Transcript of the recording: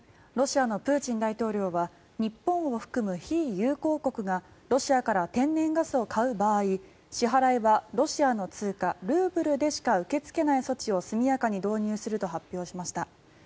ロシアのプーチン大統領は日本を含む非友好国がロシアから天然ガスを買う場合支払いはロシアの通貨ルーブルでしか受け付けない措置を速やかに導入すると発表しました。